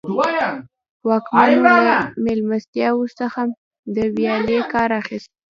واکمنو له مېلمستیاوو څخه د وسیلې کار اخیست.